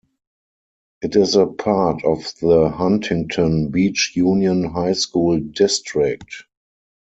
It is a part of the Huntington Beach Union High School District.